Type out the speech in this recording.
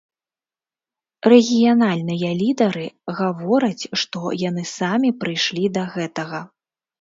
Рэгіянальныя лідары гавораць, што яны самі прыйшлі да гэтага.